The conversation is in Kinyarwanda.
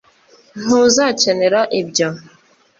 ntuzakenera ibyo